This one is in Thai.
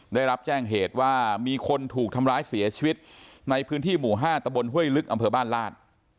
ได้รับแจ้งเหตุว่ามีคนถูกทำร้ายเสียชีวิตในพื้นที่หมู่๕ตะบนห้วยลึกอำเภอบ้านลาด